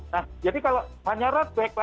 nah jadi kalau hanya road bike